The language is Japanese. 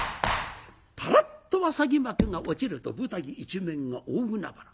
パラッと浅黄幕が落ちると舞台一面が大海原。